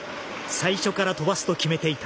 最初からとばすと決めていた。